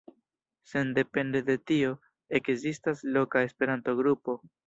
Sendepende de tio, ekzistas loka Esperanto-grupo.